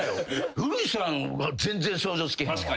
古市さんは全然想像つけへんわ。